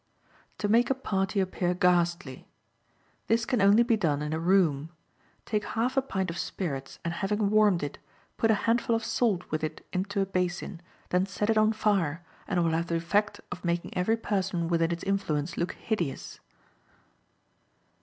To Make a Party Appear Ghastly.—This can only be done in a room. Take half a pint of spirits, and having warmed it, put a handful of salt with it into a basin, then set it on fire, and it will have the effect of making every person within its influence look hideous.